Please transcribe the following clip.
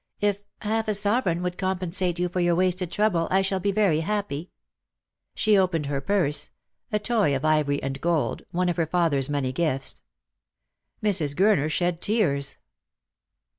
" If half a sovereign would compensate you for your wasted trouble I shall be very happy " She opened her purse — a toy of ivory and gold — one of her father's many gifts. Mrs. Gurner shed tears.